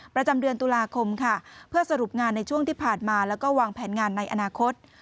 ประจำเดือนตุลาคมค่ะเพื่อสรุปงานในช่วงที่ผ่านมาแล้วก็วางแผนงานในอนาคต